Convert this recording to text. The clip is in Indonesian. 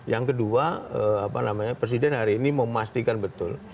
yang kedua apa namanya presiden hari ini memastikan betul